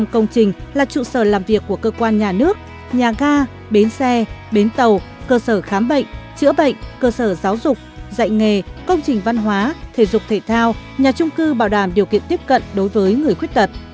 một trăm linh công trình là trụ sở làm việc của cơ quan nhà nước nhà ga bến xe bến tàu cơ sở khám bệnh chữa bệnh cơ sở giáo dục dạy nghề công trình văn hóa thể dục thể thao nhà trung cư bảo đảm điều kiện tiếp cận đối với người khuyết tật